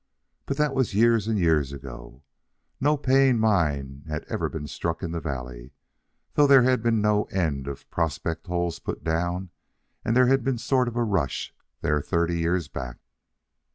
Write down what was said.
But that was years and years ago. No paying mine had ever been struck in the valley, though there had been no end of prospect holes put down and there had been a sort of rush there thirty years back.